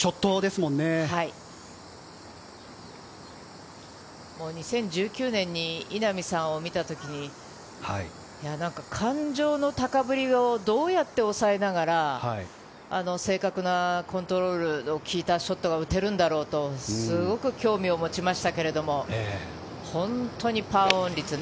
もう２０１９年に稲見さんを見たときに、感情の高ぶりをどうやって抑えながら正確なコントロールの効いたショットが打てるんだろうと、すごく興味を持ちましたけれども、本当にパーオン率